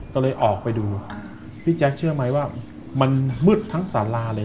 ก็เลยออกไปดูพี่แจ๊คเชื่อไหมว่ามันมืดทั้งสาราเลย